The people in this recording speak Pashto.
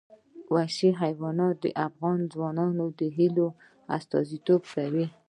وحشي حیوانات د افغان ځوانانو د هیلو استازیتوب کوي.